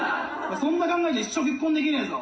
そんな考えじゃ一生結婚できねえぞ。